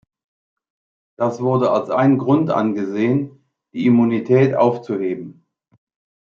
Das wurde als ein Grund angesehen, die Immunität aufzuheben.